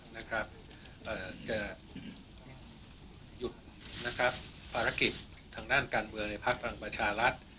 นะครับจะหยุดนะครับภารกิจทางด้านการเมืองในภาคพลังประชารัฐ